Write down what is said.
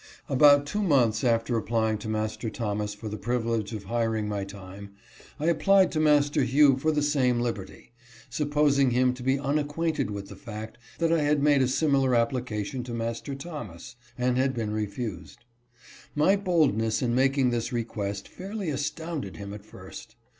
About two months after applying to Master Thomas for the privilege of hiring my time, I applied to Master Hugh for the same liberty, supposing him to be unac quainted with the fact that I had made a similar applica tion to Master Thomas and had been refused. My bold ness in making this request fairly astounded him at first.